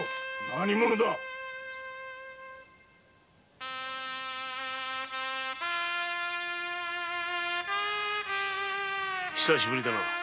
何者だ久しぶりだな